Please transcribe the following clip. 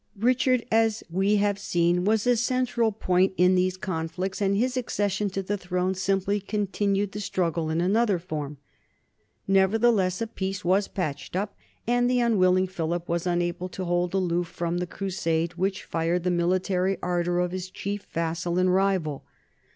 Richard, as we have seen, NORMANDY AND FRANCE 129 was a central point in these conflicts, and his accession to the throne simply continued the struggle in another form. Nevertheless a peace was patched up, and the unwill ing Philip was unable to hold aloof from the crusade which fired the military ardor of his chief vassal and rival.